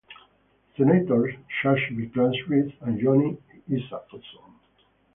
Senators Saxby Chambliss and Johnny Isakson.